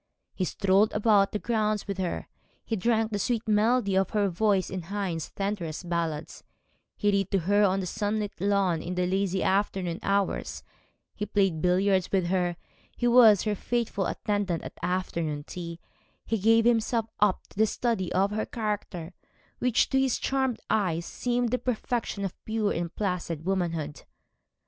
He strolled about the grounds with her; he drank the sweet melody of her voice in Heine's tenderest ballads; he read to her on the sunlit lawn in the lazy afternoon hours; he played billiards with her; he was her faithful attendant at afternoon tea; he gave himself up to the study of her character, which, to his charmed eyes, seemed the perfection of pure and placid womanhood.